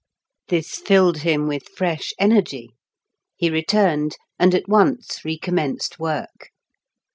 This filled him with fresh energy; he returned, and at once recommenced work.